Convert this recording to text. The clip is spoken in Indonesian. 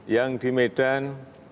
yang di medan